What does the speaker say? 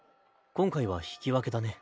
今回は引き分けだね。